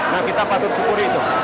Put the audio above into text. nah kita patut syukuri itu